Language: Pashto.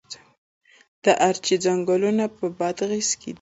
د ارچې ځنګلونه په بادغیس کې دي؟